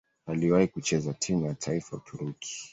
Aliwahi kucheza timu ya taifa ya Uturuki.